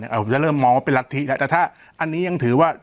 อาจจะเริ่มมองว่าเป็นรัฐธิแล้วแต่ถ้าอันนี้ยังถือว่า